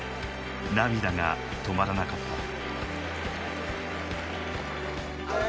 涙が止まらなかった。